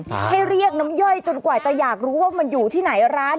ให้เรียกน้ำย่อยจนกว่าจะอยากรู้ว่ามันอยู่ที่ไหนร้าน